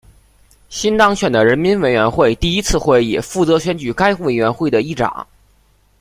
新当选的人民委员会第一次会议负责选举该委员会的议长。